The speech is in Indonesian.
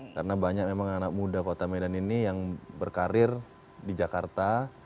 karena banyak memang anak muda kota medan ini yang berkarir di jakarta